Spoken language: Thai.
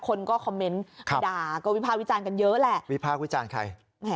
คนก็คอมเมนต์ด่าก็วิภาควิจารณ์กันเยอะแหละวิพากษ์วิจารณ์ใคร